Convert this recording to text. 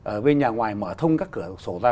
ở bên nhà ngoài mở thông các cửa sổ ra